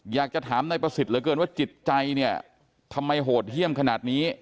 อยากจะถามนายประสิทธิ์เหลือเกินว่าจิตใจเนี่ยทำไมโหดเยี่ยมขนาดนี้